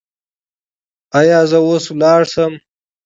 ایا زه اوس لاړ شم؟